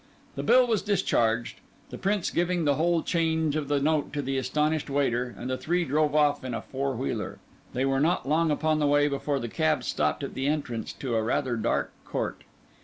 The bill was discharged, the Prince giving the whole change of the note to the astonished waiter; and the three drove off in a four wheeler. They were not long upon the way before the cab stopped at the entrance to a rather dark court.